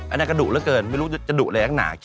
อันนี้ก็ดุแล้วเกินไม่รู้จะดุอะไรอย่างหนา